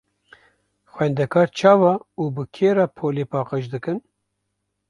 Xwendekar çawa û bi kê re polê paqij dikin?